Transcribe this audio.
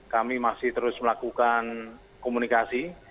kami masih terus melakukan komunikasi